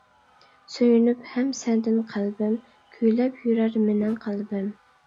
سۆيۈنۈپ ھەم سەندىن قەلبىم، كۈيلەپ يۈرەر مېنىڭ قەلبىم.